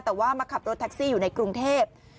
แต่ว่ามาขับรถแท็กซี่อยู่ในกรุงเทพ